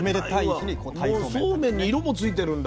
もうそうめんに色もついてるんだ。